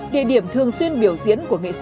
địa điểm thường xuyên biểu diễn của nghệ sĩ